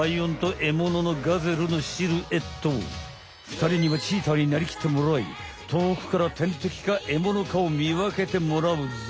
ふたりにはチーターになりきってもらい遠くから天敵かえものかを見分けてもらうぞ。